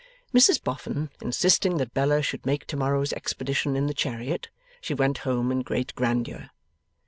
Mrs Boffin, insisting that Bella should make tomorrow's expedition in the chariot, she went home in great grandeur.